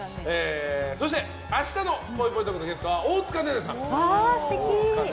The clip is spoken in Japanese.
そして明日のぽいぽいトークのゲストは大塚寧々さん。